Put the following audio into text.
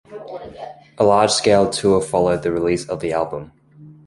A large scale tour followed the release of the album.